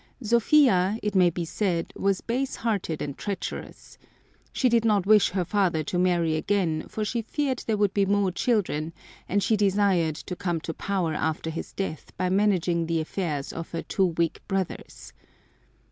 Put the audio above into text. Sophia, it may be said, was base hearted and treacherous. She did not wish her father to marry again for she feared there would be more children, and she desired to come to power after his death by managing the affairs of her two weak brothers.